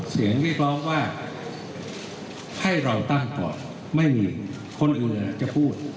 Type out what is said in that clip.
เสียงเรียกร้องว่าให้เราตั้งก่อนไม่มีคนอื่นจะพูด